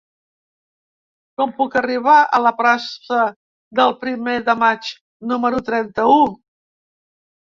Com puc arribar a la plaça del Primer de Maig número trenta-u?